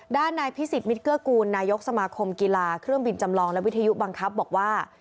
ด้านนายพิสิทธมิตรเกื้อกูลนายกสมาคมกีฬาเครื่องบินจำลองและวิทยุบังคับบอกว่า